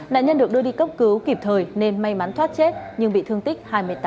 nạn nhân được đưa đi cấp cứu kịp thời nên may mắn thoát chết nhưng bị thương tích hai mươi tám